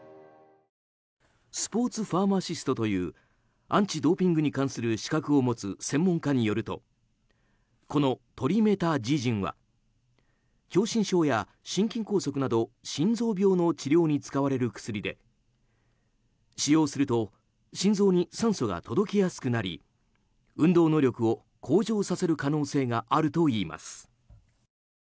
スポーツファーマシストというアンチドーピングに関する資格を持つ専門家によるとこのトリメタジジンは狭心症や心筋梗塞など心臓病の治療に使われる薬で使用すると心臓に酸素が届きやすくなり運動能力を向上させる可能性があるといいます。